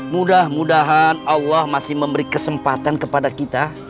mudah mudahan allah masih memberi kesempatan kepada kita